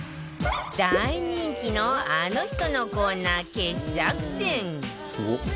大人気のあの人のコーナー傑作選